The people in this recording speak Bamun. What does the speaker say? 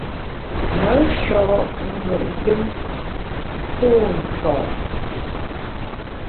Me sho’ ngùet yùm pô nso’.